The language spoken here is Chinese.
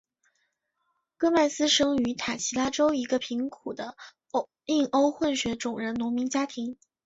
戈麦斯生于塔奇拉州一个贫苦的印欧混血种人农民家庭。